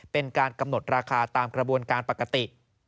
เป็นการกำหนดราคาตามกระบวนการปกติ